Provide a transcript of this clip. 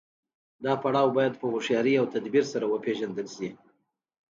دا پړاو باید په هوښیارۍ او تدبیر سره وپیژندل شي.